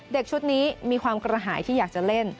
เด็กชุดนี้มีความกระหายที่อยากจะเล่น